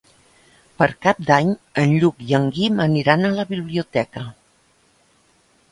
Per Cap d'Any en Lluc i en Guim aniran a la biblioteca.